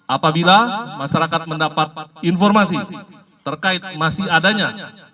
apabila masyarakat mendapat informasi terkait masih adanya